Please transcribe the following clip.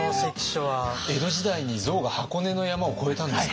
江戸時代に象が箱根の山を越えたんですか。